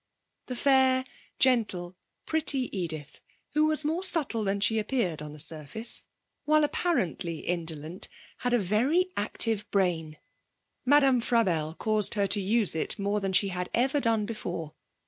The fair, gentle, pretty Edith, who was more subtle than she appeared on the surface, while apparently indolent, had a very active brain. Madame Frabelle caused her to use it more than she had ever done before.